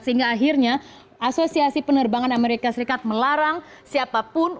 sehingga akhirnya asosiasi penerbangan amerika serikat melarang siapapun